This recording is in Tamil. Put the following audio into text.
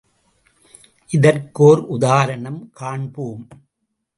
இதற்கு ஓர் உதாரணம் காண்போம்.